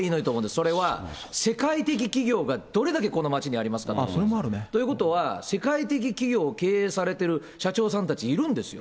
それは、世界的企業がどれだけこの街にありますか。ということは、世界的企業を経営されている社長さんたち、いるんですよ。